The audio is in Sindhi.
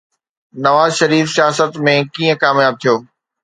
نواز شريف سياست ۾ ڪيئن ڪامياب ٿيو؟